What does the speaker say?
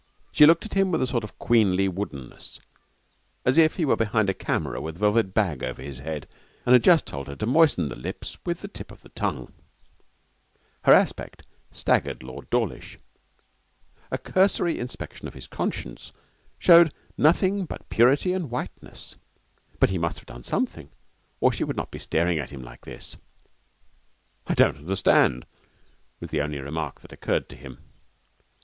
She looked at him with a sort of queenly woodenness, as if he were behind a camera with a velvet bag over his head and had just told her to moisten the lips with the tip of the tongue. Her aspect staggered Lord Dawlish. A cursory inspection of his conscience showed nothing but purity and whiteness, but he must have done something, or she would not be staring at him like this. 'I don't understand!' was the only remark that occurred to him.